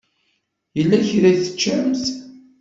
Yella kra i teččamt?